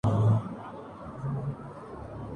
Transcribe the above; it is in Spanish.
Vásquez ganó el encuentro por decisión unánime.